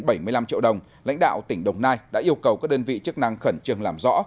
với số tiền bảy mươi năm triệu đồng lãnh đạo tỉnh đồng nai đã yêu cầu các đơn vị chức năng khẩn trường làm rõ